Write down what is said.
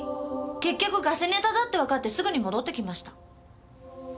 結局ガセネタだってわかってすぐに戻ってきました。